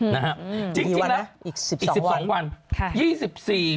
นะครับจริงแล้วอีก๑๒วันอีก๑๒วัน